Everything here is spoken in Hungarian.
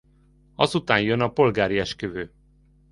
Azután jön a polgári esküvő.